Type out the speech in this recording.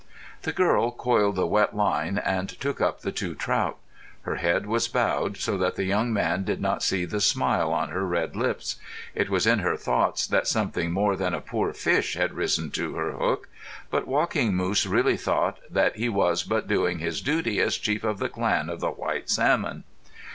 The girl coiled the wet line and took up the two trout. Her head was bowed, so the young man did not see the smile on her red lips. It was in her thoughts that something more than a poor fish had risen to her hook; but Walking Moose really thought that he was but doing his duty as chief of the clan of the White Salmon.